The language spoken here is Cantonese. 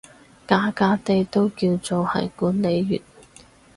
假假地都叫做係管理員